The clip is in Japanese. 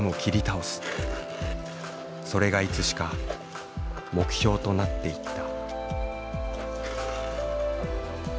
それがいつしか目標となっていった。